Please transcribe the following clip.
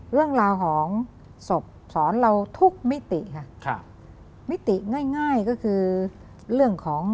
เรื่องราวของศพสอนเราทุกมิติค่ะมิติง่ายก็คือ